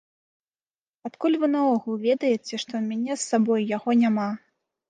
Адкуль вы наогул ведаеце, што ў мяне з сабой яго няма?